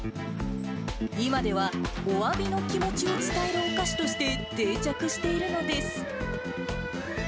今では、おわびの気持ちを伝えるお菓子として、定着しているのです。